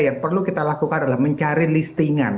yang perlu kita lakukan adalah mencari listingan